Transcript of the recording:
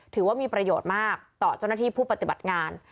ถือว่ามีประโยชน์มากต่อเจ้าหน้าที่ผู้ปฏิบัติงาน